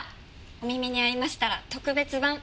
『お耳に合いましたら。』特別版。